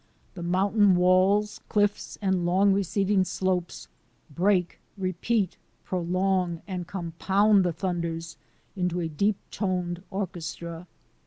The mountain walls, cliffs, and long, receding slopes break, repeat, prolong, and compound the thunders into a deep toned orchestra.